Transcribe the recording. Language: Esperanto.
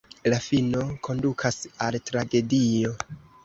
La fino kondukas al tragedio.